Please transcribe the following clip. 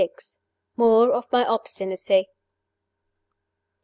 MORE OF MY OBSTINACY.